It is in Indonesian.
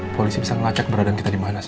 polisi bisa ngelacak beradaan kita di mana say